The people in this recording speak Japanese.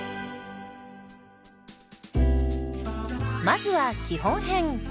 まずは基本編。